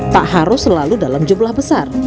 tak harus selalu dalam jumlah besar